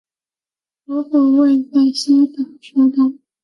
首府位在兴实达。